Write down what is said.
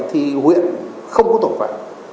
thì huyện không có tội phạm